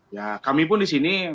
ya kami pun di sini